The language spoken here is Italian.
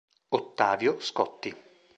Ottavio Scotti